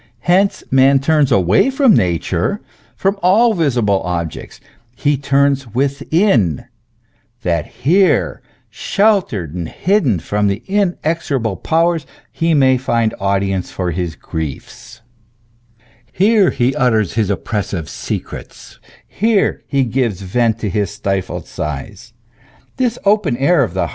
Hence man turns away from Nature, from all visible objects. He turns within, that here, sheltered and hidden from the inexorable powers, he may find audience for his griefs. Here he utters his oppressive secrets ; here he gives vent to his stifled sighs. This open air of the heart, this outspoken secret, this uttered sorrow of the soul, is God.